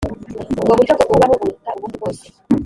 ubwo buryo bwo kubaho buruta ubundi bwose